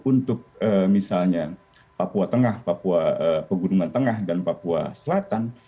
untuk misalnya papua tengah papua pegunungan tengah dan papua selatan